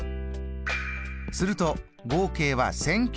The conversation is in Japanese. すると合計は１９００円。